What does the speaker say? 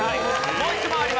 もう一問あります。